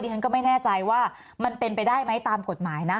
ฉันก็ไม่แน่ใจว่ามันเป็นไปได้ไหมตามกฎหมายนะ